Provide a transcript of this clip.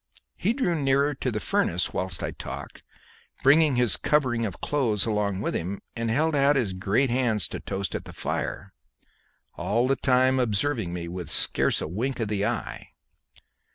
He drew nearer to the furnace whilst I talked, bringing his covering of clothes along with him, and held out his great hands to toast at the fire, all the time observing me with scarce a wink of the eye.